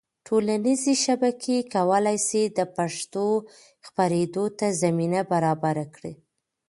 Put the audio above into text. ټولنیزې شبکې کولی سي د پښتو خپرېدو ته زمینه برابره کړي.